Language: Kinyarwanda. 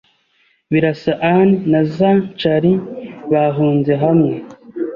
[Birasa Ann na Zachary bahunze hamwe.